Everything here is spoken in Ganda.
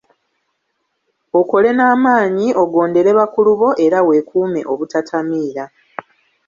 Okole n'amaanyi, ogondere bakulu bo, era weekuume obutatamiira.